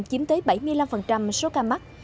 chiếm tới bảy mươi năm số ca mắc